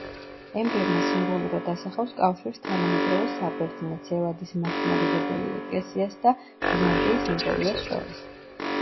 ემბლემა სიმბოლურად ასახავს კავშირს თანამედროვე საბერძნეთს, ელადის მართლმადიდებელი ეკლესიას და ბიზანტიის იმპერიას შორის.